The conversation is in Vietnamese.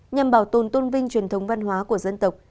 nhằm bảo tồn tôn vinh truyền thống văn hóa của dân tộc